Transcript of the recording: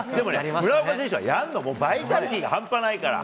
村岡選手はやるの、バイタリティーが半端ないから。